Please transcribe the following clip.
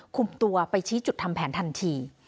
คุมตัวไปชี้จุดทำแผนทันที